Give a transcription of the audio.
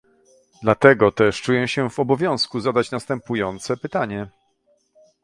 Dlatego też czuję się w obowiązku zadać następujące pytanie